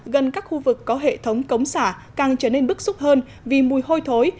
gần các khu vực có hệ thống cống xả càng trở nên bức xúc hơn vì mùi hôi thối